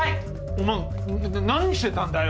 お前な何してたんだよ